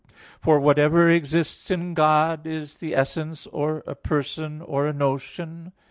For whatever exists in God is the essence, or a person, or a notion.